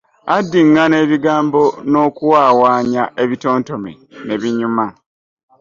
Addingana ebigambo n’okuwaawaanya ebitontome ne binyuma.